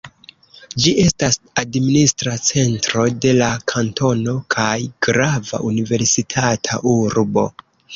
Ĝi estas administra centro de la kantono kaj grava universitata urbo.